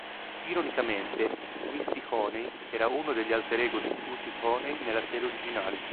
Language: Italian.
Ironicamente, Misty Honey era uno degli alter ego di Cutie Honey nella serie originale.